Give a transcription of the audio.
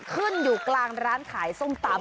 ขึ้นอยู่กลางร้านขายส้มตำ